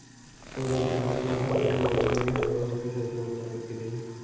পৌর কর্তৃপক্ষ ওখান থেকে বাইরে পানি সরবরাহ করতে চাইলে আমার আপত্তি নেই।